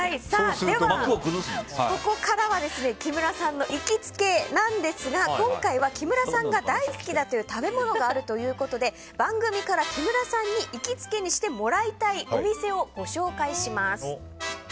では、ここからは木村さんの行きつけなんですが今回は木村さんが大好きだという食べ物があるということで番組から木村さんに行きつけにしてもらいたいお店をご紹介します。